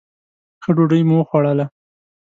ښه ډوډۍ مو وخوړله.